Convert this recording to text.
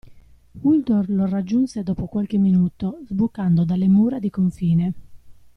Uldor lo raggiunse dopo qualche minuto, sbucando dalle mura di confine.